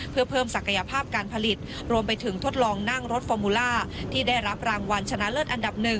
เพื่อเพิ่มศักยภาพการผลิตรวมไปถึงทดลองนั่งรถฟอร์มูล่าที่ได้รับรางวัลชนะเลิศอันดับ๑